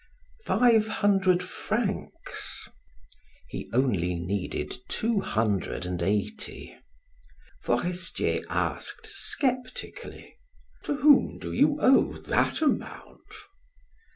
"Five hundred francs." He only needed two hundred and eighty. Forestier asked sceptically: "To whom do you owe that amount?"